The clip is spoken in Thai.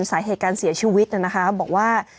สาเหตุการเสียชีวิตนะคะบอกว่า